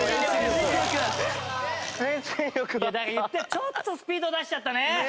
だからちょっとスピード出しちゃったね。